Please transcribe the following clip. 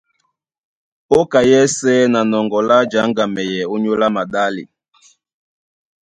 Ó ka yɛ́sɛ̄ na nɔŋgɔ lá jáŋgamɛyɛ ónyólá maɗále,